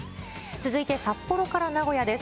続いて札幌から名古屋です。